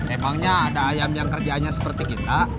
emangnya ada ayam yang kerjanya seperti kita